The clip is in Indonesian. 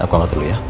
aku angkat dulu ya